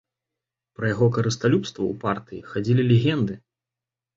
Пра яго карысталюбства ў партыі хадзілі легенды.